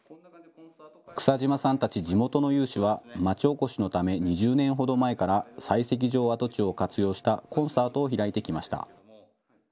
草島さんたち地元の有志は町おこしのため２０年ほど前から採石場跡地を活用したコンサートを開いてきました。